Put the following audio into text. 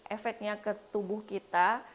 efeknya ke tubuh kita